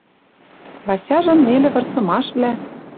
Васяжым нелӹ вырсымашвлӓ